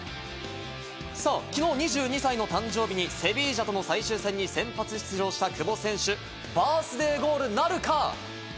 きのう２２歳の誕生日にセビージャとの最終戦に先発出場した久保選手、バースデーゴールなるか？